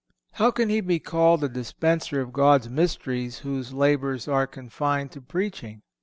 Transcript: (499) How can he be called a dispenser of God's mysteries whose labors are confined to preaching?